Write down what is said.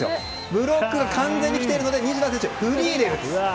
ブロックが完全に来ているので西田選手がフリーで打つ。